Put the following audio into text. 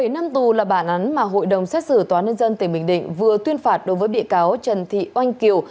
bảy năm tù là bản án mà hội đồng xét xử toán nhân dân tp hcm vừa tuyên phạt đối với địa cáo trần thị oanh kiều